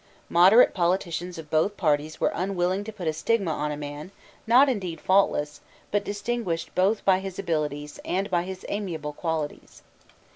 Moderate politicians of both parties were unwilling to put a stigma on a man, not indeed faultless, but distinguished both by his abilities and by his amiable qualities.